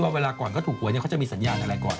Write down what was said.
เวลาก่อนเขาถูกหวยเนี่ยเขาจะมีสัญญาณอะไรก่อน